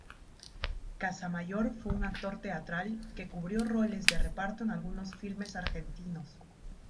Casamayor fue un actor teatral, que cubrió roles de reparto en algunos filmes argentinos.